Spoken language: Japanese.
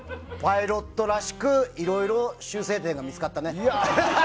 パイロットらしくいろいろ修正点が見つかったね。